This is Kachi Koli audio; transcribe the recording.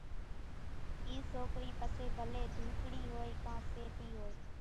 اِي سوڪري پسي ڀلي ڍوڪڙي ھوئي ڪان سيٽي ھوئي،